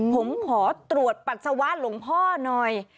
ผมขอตรวจปัสสาวะหลวงพ่อหน่อย